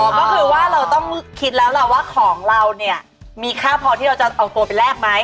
ก็คือว่าเราต้องคิดแล้วล่ะว่าของเราเนี่ยมีค่าพอที่เราจะเอาตัวไปแลกไหม